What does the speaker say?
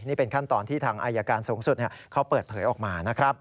นี่เป็นขั้นตอนที่ทางอายการสูงสุดเขาเปิดเผยออกมานะครับ